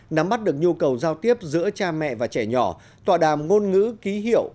nắm bắt được nhu cầu giao tiếp giữa cha mẹ và trẻ nhỏ tọa đàm ngôn ngữ ký hiệu